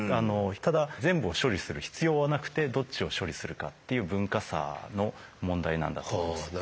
ただ全部を処理する必要はなくてどっちを処理するかっていう文化差の問題なんだと思います。